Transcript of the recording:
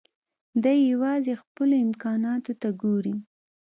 دی يوازې خپلو امکاناتو ته ګوري.